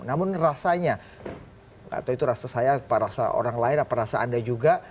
namun rasanya atau itu rasa saya rasa orang lain apa rasa anda juga